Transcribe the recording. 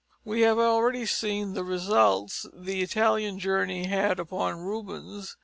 We have already seen the results the Italian journey had upon Rubens.